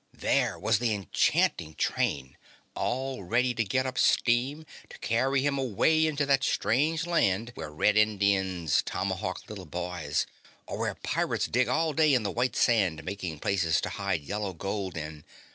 There was the enchanting train all ready to get up steam to carry him away into that strange land where red Indians tomahawk little boys, or where pirates dig all day in the white sand making places to hide yellow gold in.